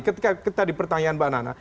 ketika kita dipertanyakan mbak nana